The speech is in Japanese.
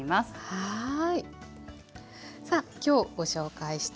はい。